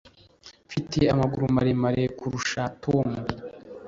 mfite amaguru maremare kurusha tom